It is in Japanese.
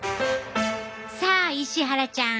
さあ石原ちゃん